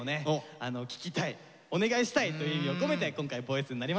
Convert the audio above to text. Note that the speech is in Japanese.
聞きたいお願いしたいという意味を込めて今回「ＶＯＩＣＥ」になりました。